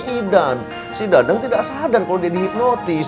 idan si dadang tidak sadar kalau dia dihipnotis